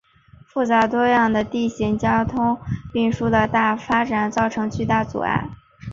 复杂多样的地形给交通运输的发展造成了巨大阻碍。